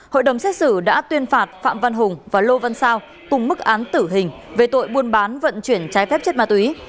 hội đồng xét xử đã tuyên phạt phạm văn hùng và lô văn sao cùng mức án tử hình về tội buôn bán vận chuyển trái phép chất ma túy